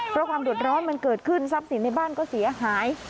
เพราะความเดือดร้อนมันเกิดขึ้นทรัพย์สินในบ้านก็เสียหาย